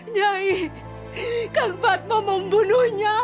nyai kang fatma membunuhnya